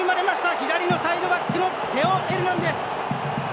左のサイドバックのテオ・エルナンデス！